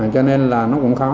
cho nên là nó cũng khó